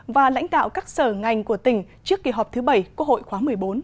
và lãnh đạo các sở ngành của tỉnh trước kỳ họp thứ bảy quốc hội khóa một mươi bốn